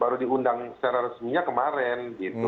baru diundang secara resminya kemarin gitu